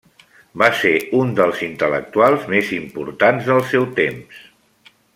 Va ser un dels intel·lectuals més importants del seu temps.